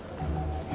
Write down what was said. え？